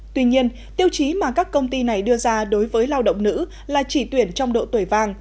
tuy nhiên tiêu chí mà các công ty này đưa ra đối với lao động nữ là chỉ tuyển trong độ tuổi vàng